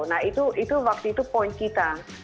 nah itu waktu itu poin kita